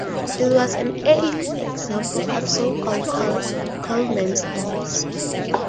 It was an early example of so-called Colemanballs.